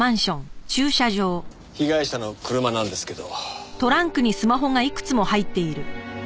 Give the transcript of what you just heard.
被害者の車なんですけど。